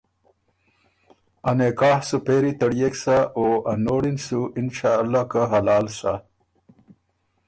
ا نکاح سُو پېری تړيېک سَۀ او ا نوړی ن سُو انشأالله که حلال سۀ